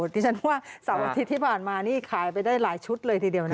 ดิฉันว่าเสาร์อาทิตย์ที่ผ่านมานี่ขายไปได้หลายชุดเลยทีเดียว